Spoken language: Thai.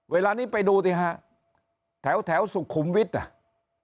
เวลานี้ไปดูดิฮะแถวสุขุมวิทย์